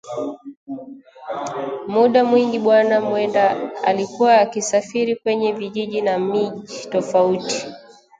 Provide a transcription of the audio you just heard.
Muda mwingi bwana Mwenda alikua akisafiri kwenye vijiji na miji tofauti